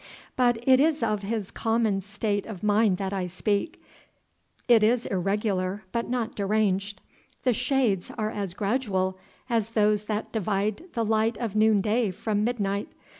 But it is of his common state of mind that I speak; it is irregular, but not deranged; the shades are as gradual as those that divide the light of noonday from midnight.